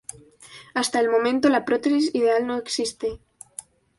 Hasta el momento, la prótesis ideal no existe.